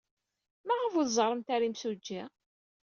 Maɣef ur tẓerremt ara imsujji?